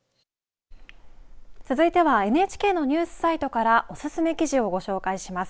続いてはＮＨＫのニュースサイトからおすすめ記事をご紹介します。